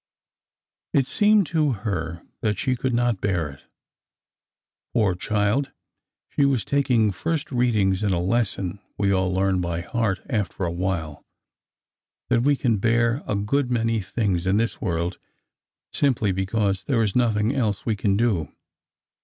It seemed to her that she could not bear it ! Poor child ! she was taking first readings in a lesson we all learn by heart after a while — that we can bear a good many things in this world, simply because there is nothing else we can do.